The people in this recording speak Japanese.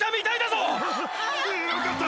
・・よかった！